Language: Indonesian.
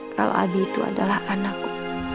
kalo abi itu adalah anakku